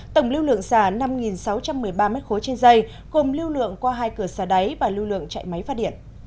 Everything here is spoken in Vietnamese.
tổng lưu lượng xa năm sáu trăm một mươi ba m ba trên dây gồm lưu lượng qua hai cửa xa đáy và lưu lượng chạy máy phát điện